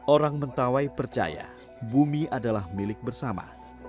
orang mentawai percaya bumi adalah milik bersama